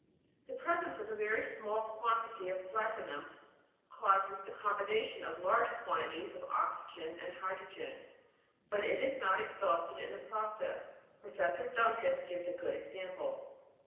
The presence of a very small quantity of platinum causes the combination of large quantities of oxygen and hydro gen, but it is not exhausted in the process. Prof. Duncan gives a good example.